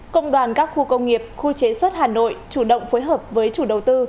công đoàn các khu công nghiệp khu chế xuất hà nội chủ động phối hợp với chủ đầu tư